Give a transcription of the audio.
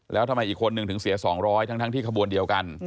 แล้วทำไมอีกคนนึงถึงเสีย๒๐๐ทั้งที่ขบวนเดียวกัน